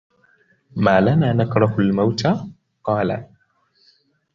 مَا لَنَا نَكْرَهُ الْمَوْتَ ؟ قَالَ